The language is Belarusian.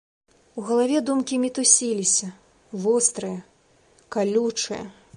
У галаве думкі мітусіліся, вострыя, калючыя.